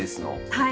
はい。